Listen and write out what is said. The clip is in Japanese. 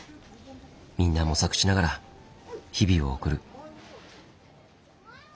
みんな模索しながら日々を送る。